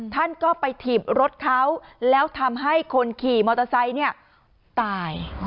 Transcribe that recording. ท่านก็ไปถีบรถเขาแล้วทำให้คนขี่มอเตอร์ไซค์เนี่ยตาย